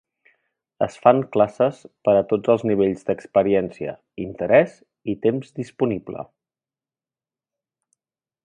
Es fan classes per a tots els nivells d'experiència, interès i temps disponible.